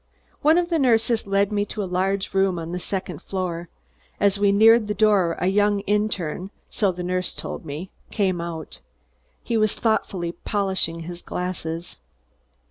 One of the nurses led me to a large room on the second floor. As we neared the door a young interne, so the nurse told me, came out. He was thoughtfully polishing his glasses.